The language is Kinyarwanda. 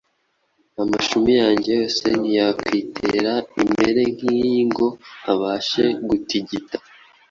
Amashumi yange yose ntiyakwitera imere nk’iyi ngo abashe gutigita.